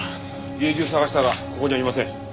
家中捜したがここにはいません。